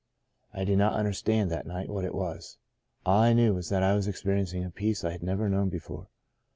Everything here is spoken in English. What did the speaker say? I did not understand, that night, what it was. All I knew was that I was experiencing a peace I had never known before.